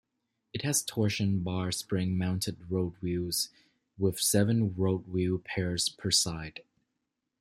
It has torsion bar spring mounted roadwheels with seven roadwheel pairs per side.